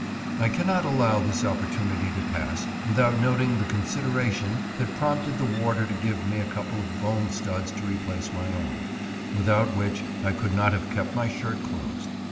I cannot allow this opportunity to pass without noting the consideration that prompted the warder to give me a couple of bone studs to replace my own, without which I could not have kept my shirt closed.